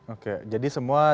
oke jadi semua